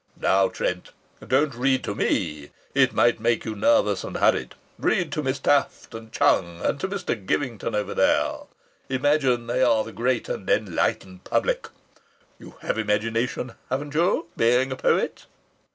Now, Trent, don't read to me. It might make you nervous and hurried. Read to Miss Taft and Chung and to Mr. Givington over there. Imagine that they are the great and enlightened public. You have imagination, haven't you, being a poet?"